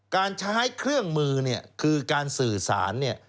การใช้เครื่องมือคือการสื่อสาร